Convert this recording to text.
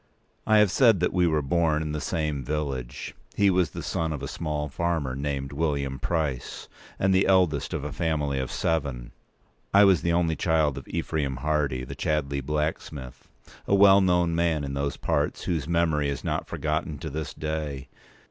I have said that we were born in the same village. He was the son of a small farmer, named William Price, and the eldest of a family of seven; I was the only child of Ephraim Hardy, the Chadleigh blacksmith—a well known man in those parts, whose memory is not forgotten to this day.